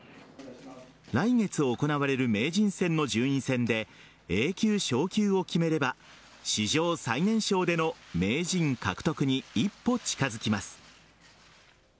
来月行われる名人戦の順位戦でＡ級昇級を決めれば史上最年少での名人獲得に一歩近づきます。